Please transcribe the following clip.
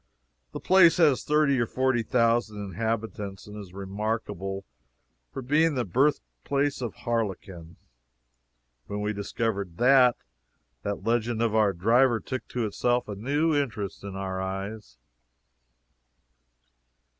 The place has thirty or forty thousand inhabitants and is remarkable for being the birthplace of harlequin. When we discovered that, that legend of our driver took to itself a new interest in our eyes.